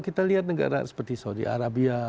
kita lihat negara seperti saudi arabia